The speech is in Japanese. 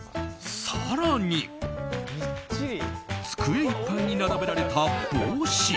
更に机いっぱいに並べられた帽子。